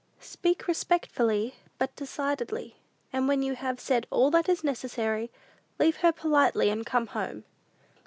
Speak respectfully, but decidedly; and when you have said all that is necessary, leave her politely, and come home."